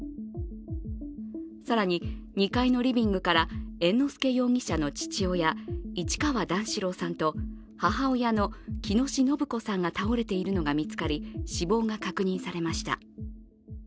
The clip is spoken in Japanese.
更に２階のリビングから猿之助容疑者の父親、市川段四郎さんと母親の喜熨斗延子さんが倒れているのが見つかり、死亡が確認されました。